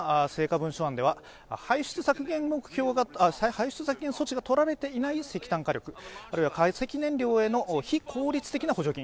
文書案では排出削減措置がとられていない石炭火力あるいは化石燃料への非効率的な補助金